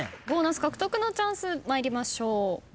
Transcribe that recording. ボーナス獲得のチャンス参りましょう。